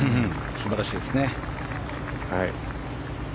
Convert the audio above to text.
素晴らしいですね。